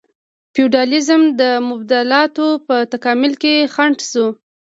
فیوډالیزم د مبادلاتو په تکامل کې خنډ شو.